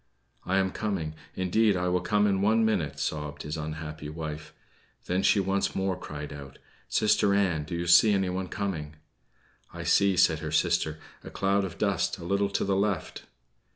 "I am coming; indeed I will come in one minute," sobbed his unhappy wife. Then she once more cried out: "Sister Ann, do you see anyone coming?" "I see," said her sister, "a cloud of dust a little to the left."